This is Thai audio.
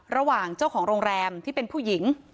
ระหว่างเจ้าของโรงแรมที่เป็นผู้หญิง